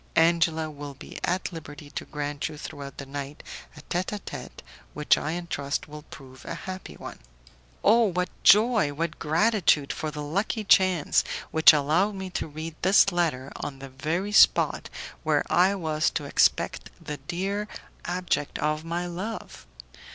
Angela will be at liberty to grant you throughout the night a tete a tete which, I trust, will prove a happy one." Oh! what joy what gratitude for the lucky chance which allowed me to read this letter on the very spot where I was to expect the dear abject of my love!